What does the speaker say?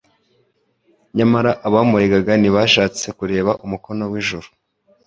Nyamara abamuregaga ntibashatse kureba umukono w'ijuru.